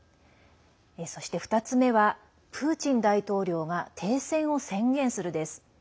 そして２つ目はプーチン大統領が停戦を宣言するです。